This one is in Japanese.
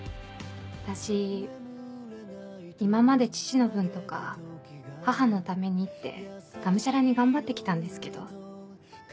私今まで父の分とか母のためにってがむしゃらに頑張って来たんですけど。